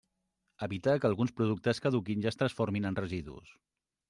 Evitar que alguns productes caduquin i es transformin en residus.